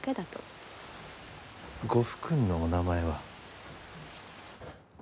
ご夫君のお名前は？